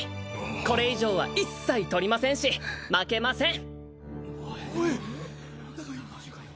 これ以上は一切取りませんしまけません！